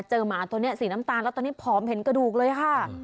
หมาตัวนี้สีน้ำตาลแล้วตอนนี้ผอมเห็นกระดูกเลยค่ะ